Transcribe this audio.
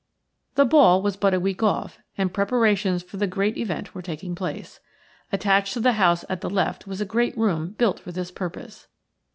The ball was but a week off, and preparations for the great event were taking place. Attached to the house at the left was a great room built for this purpose.